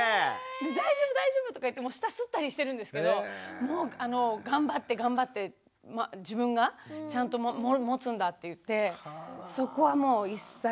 「大丈夫大丈夫」とか言って下すったりしてるんですけどもう頑張って頑張って自分がちゃんと持つんだって言ってそこはもう一切私には持たせないですね